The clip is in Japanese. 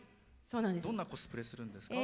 どんなコスプレするんですか？